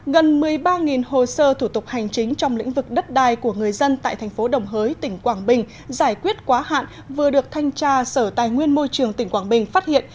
gần một mươi ba hồ sơ thủ tục hành chính trong lĩnh vực đất đai của người dân tại thành phố đồng hới tỉnh quảng bình giải quyết quá hạn vừa được thanh tra sở tài nguyên môi trường tỉnh quảng bình phát hiện